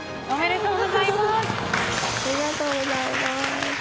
ありがとうございます。